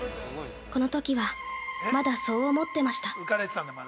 このときはまだそう思ってました。